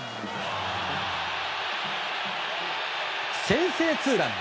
先制ツーラン！